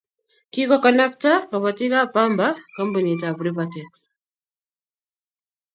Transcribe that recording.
Kikokanabta kobotikab pamba kampunitab Rivatex